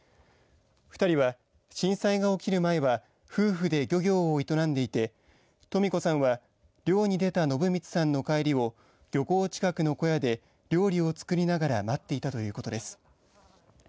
２人は震災が起きる前は夫婦で漁業を営んでいてトミ子さんは漁に出た晨満さんの帰りを漁港近くの小屋で料理を作りながら待っていたということです。